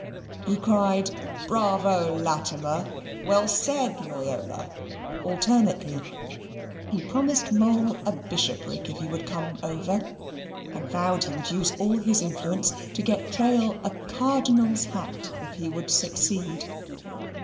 He cried "Bravo, Latimer! Well said, Loyola!" alternately; he promised Mole a bishopric if he would come over, and vowed he would use all his influence to get Trail a cardinal's hat if he would secede.